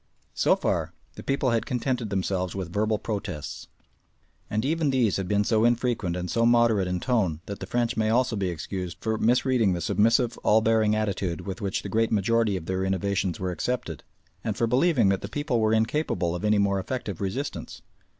So far the people had contented themselves with verbal protests, and even these had been so infrequent and so moderate in tone that the French may almost be excused for misreading the submissive, all bearing attitude with which the great majority of their innovations were accepted, and for believing that the people were incapable of any more effective resistance.